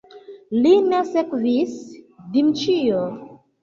Lin sekvis Dmiĉjo.